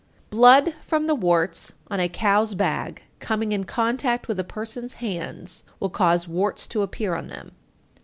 872. Blood from the warts on a cow's bag coming in contact with a person's hands will cause warts to appear on them.